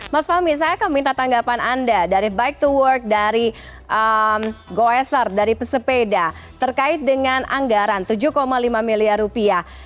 mas fahmi saya akan minta tanggapan anda dari bike to work dari goesar dari pesepeda terkait dengan anggaran tujuh lima miliar rupiah